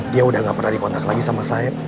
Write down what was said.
dia udah gak pernah dikontak lagi sama saya